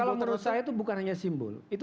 kalau menurut saya itu bukan hanya simbol